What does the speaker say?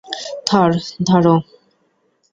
থর, ধরো!